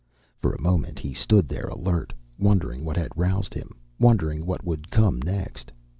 For a moment he stood there alert, wondering what had roused him, wondering what would come next.